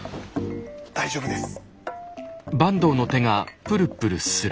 大丈夫です。